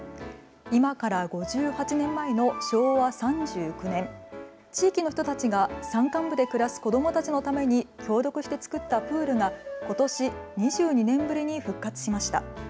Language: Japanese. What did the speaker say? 今から５８年前の昭和３９年、地域の人たちが山間部で暮らす子どもたちのために協力して作ったプールがことし２２年ぶりに復活しました。